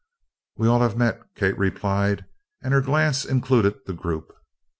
"We all have met," Kate replied, and her glance included the group.